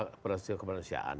itu peristiwa kemanusiaan